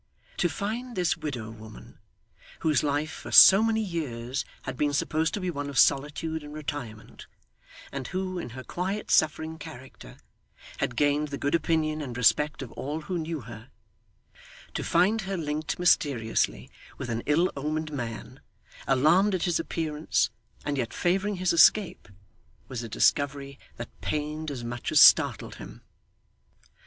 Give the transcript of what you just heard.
To find this widow woman, whose life for so many years had been supposed to be one of solitude and retirement, and who, in her quiet suffering character, had gained the good opinion and respect of all who knew her to find her linked mysteriously with an ill omened man, alarmed at his appearance, and yet favouring his escape, was a discovery that pained as much as startled him.